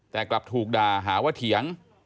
แต่กลับถูกด่าหาว่าเถียง